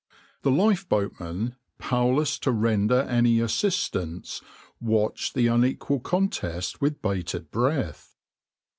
The lifeboatmen, powerless to render any assistance, watched the unequal contest with bated breath.